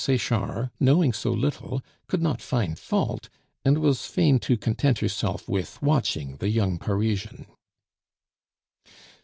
Sechard, knowing so little, could not find fault, and was fain to content herself with watching the young Parisian.